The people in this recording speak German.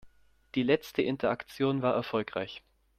Die letzte Interaktion war erfolgreich.